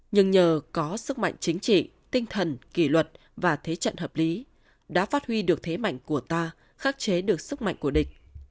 nhưng nhờ có sức mạnh chính trị tinh thần kỷ luật và thế trận hợp lý đã phát huy được thế mạnh của ta khắc chế được sức mạnh của địch